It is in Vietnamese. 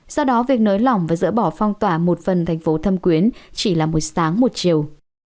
do đó việc nới lỏng và dỡ bỏ phong tỏa một phần thành phố thâm quyến chỉ là một sáng một chiều